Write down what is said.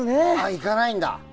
行かないんだ。